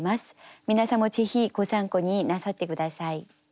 皆さんもぜひご参考になさって下さい。